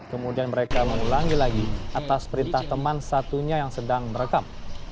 kemudian mereka mengulangi lagi atas perintah teman satunya yang sedang merekam